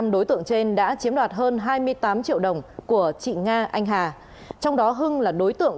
năm đối tượng trên đã chiếm đoạt hơn hai mươi tám triệu đồng của chị nga anh hà trong đó hưng là đối tượng